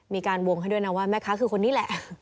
มีการวงให้ด้วยนะว่าแม่ค้าคือคนนี้แหละ